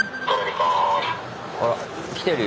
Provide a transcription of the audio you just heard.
あら来てるよ。